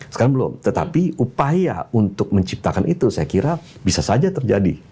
sekarang belum tetapi upaya untuk menciptakan itu saya kira bisa saja terjadi